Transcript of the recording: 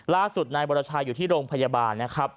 ล่าสุดนายบรชายอยู่ที่โรงพยาบาลนะครับ